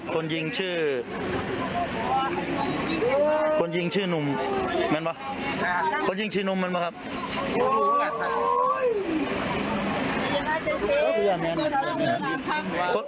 คนยิงชื่อคนยิงชื่อนุ่มมันป่ะคนยิงชื่อนุ่มมันป่ะครับ